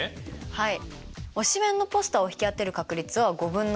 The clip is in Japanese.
はい。